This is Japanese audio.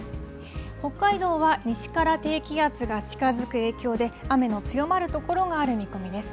北海道は西から低気圧が近づく影響で、雨の強まる所がある見込みです。